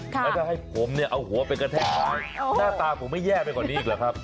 แล้วถ้าให้ผมเนี่ยเอาหัวไปกระแทกท้ายหน้าตาผมไม่แย่ไปกว่านี้อีกหรอครับ